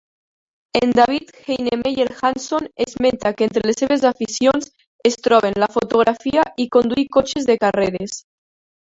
En David Heinemeier Hansson esmenta que entre les seves aficions es troben la fotografia i conduir cotxes de carreres.